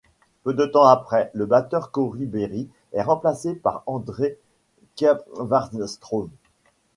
Peu de temps après, le batteur Cory Berry est remplacé par André Kvarnström.